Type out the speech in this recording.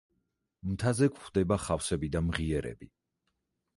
მთაზე გვხვდება ხავსები და მღიერები.